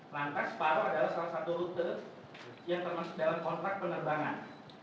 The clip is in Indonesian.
lantas separo adalah salah satu rute yang termasuk dalam kontrak penerbangan